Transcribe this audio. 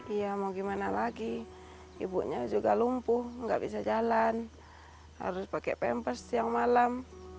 iya mau gimana lagi ibunya juga lumpuh nggak bisa jalan harus pakai pamper siang malam